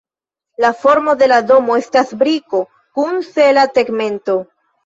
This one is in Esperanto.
La formo de la domo estas briko kun sela tegmento.